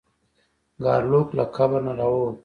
ګارلوک له قبر نه راووت.